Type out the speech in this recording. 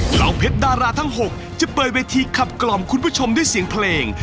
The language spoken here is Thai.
เหล่าเพชรดาราทั้ง๖จะเปิดเวทีขับกล่อมคุณผู้ชมด้วยเสียงเพลง